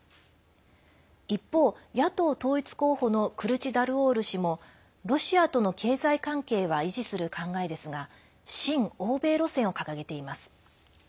一方、野党統一候補のクルチダルオール氏もロシアとの経済関係は維持する考えですが親欧米路線を掲げています。